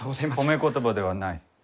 褒め言葉ではない。